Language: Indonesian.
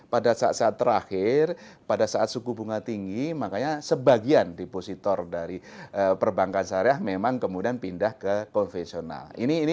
pada saat saat terakhir pada saat suku bunga tinggi makanya sebagian depositor dari perbankan syariah memang kemudian pindah ke konvensional